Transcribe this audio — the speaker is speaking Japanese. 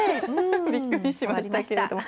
びっくりしましたけれども。